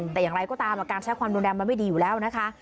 แต่อย่างไรก็ตามการใช้ความรุนแรงมันไม่ดีอยู่แล้วนะคะ